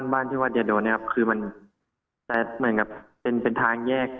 บ้านที่วัดเดียดโดนเนี่ยครับคือมันเป็นทางแยก